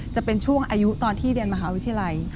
จะเป็นช่วงอายุตอนที่เรียนมหาวิทยาลัย